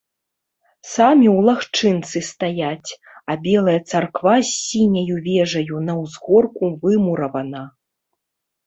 Самі ў лагчынцы стаяць, а белая царква з сіняю вежаю на ўзгорку вымуравана.